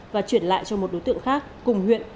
và chuyển lại cho một đối tượng khác cùng huyện